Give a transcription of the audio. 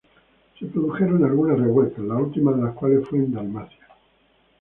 Se produjeron algunas revueltas, la última de las cuales fue en Dalmacia.